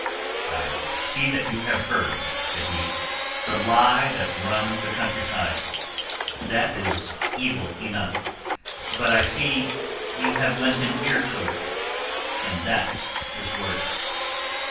"I see that you have heard," said he, "the lie that runs the countryside. That is evil enough. But I see that you have lent an ear to it; and that is worse."